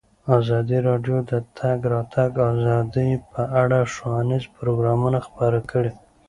ازادي راډیو د د تګ راتګ ازادي په اړه ښوونیز پروګرامونه خپاره کړي.